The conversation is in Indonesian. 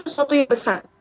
bukan sesuatu yang besar